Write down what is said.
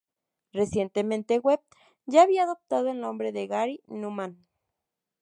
Recientemente Webb ya había adoptado el nombre de Gary Numan.